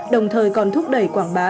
đồng thời còn thúc đẩy quảng bá